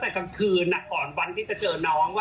ใครเป็นคนที่พบน้องจริงค่ะ